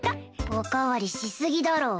おかわりしすぎだろ。